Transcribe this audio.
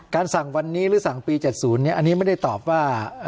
การสั่งวันนี้หรือสั่งปีเจ็ดศูนย์เนี่ยอันนี้ไม่ได้ตอบว่า